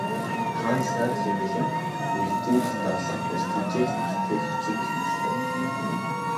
Хаан сайд хэмээх нь иргэнийг дарлах бус, тэжээж тэтгэх эцэг эх бус уу.